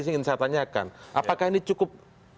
yang ingin saya tanyakan apakah ini cukup